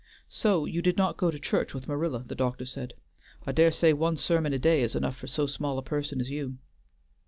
"So you did not go to church with Marilla?" the doctor said. "I dare say one sermon a day is enough for so small a person as you."